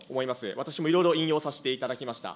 私もいろいろ引用させていただきました。